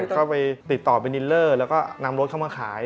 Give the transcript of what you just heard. ก็ไปติดต่อไปนิลเลอร์แล้วก็นำรถเข้ามาขาย